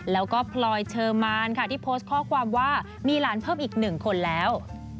แล้วก็พลอยเชอร์มานค่ะที่โพสต์ข้อความว่ามีหลานเพิ่มอีกหนึ่งคนแล้ว